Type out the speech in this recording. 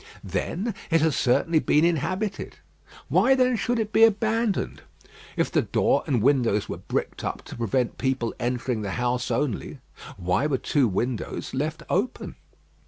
Then it has certainly been inhabited: why then should it be abandoned? If the door and windows were bricked up to prevent people entering the house only, why were two windows left open?